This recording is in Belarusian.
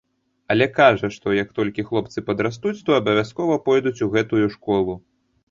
Але кажа, што, як толькі хлопцы падрастуць, то абавязкова пойдуць у гэтую школу.